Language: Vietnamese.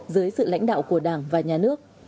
dưới sự lãnh đạo của đảng và nhà nước